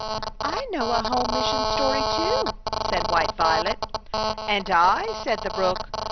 " I know a home mission story too," said White Violet. " And I," said the brook.